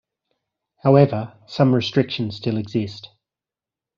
However, some restrictions still exist.